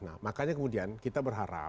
nah makanya kemudian kita berharap